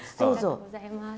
ありがとうございます。